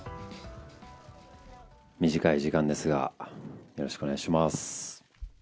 短い時間ですが、よろしくお願いします。